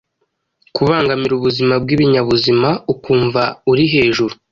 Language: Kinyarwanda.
Kubangamira ubuzima bwibinyabuzima ukumva uri hejuru,